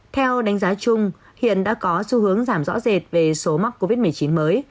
theo đánh giá chung hiện đã có xu hướng giảm rõ rệt về số mắc covid một mươi chín mới